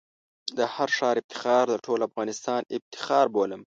د هر ښار افتخار د ټول افغانستان افتخار بولم.